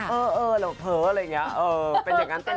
เออเหลือเผลออะไรอย่างเงี้ยเออเป็นอย่างงั้นตลอด